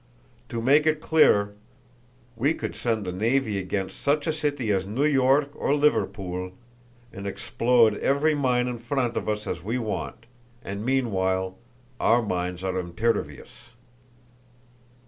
To make it clearer, we could send a navy against such a city as New York or Liverpool, and explode every mine in front of us as we went; and meanwhile our mines are impervious.